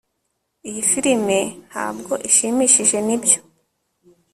Iyi firime ntabwo ishimishije nibyo